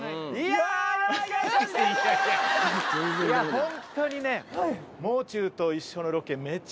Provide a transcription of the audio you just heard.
ホントにね。